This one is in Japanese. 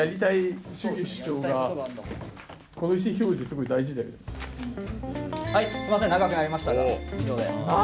はいすいません長くなりましたが以上です。